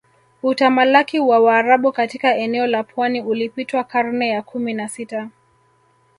Utamalaki wa Waarabu katika eneo la pwani ulipitwa karne ya kumi na sita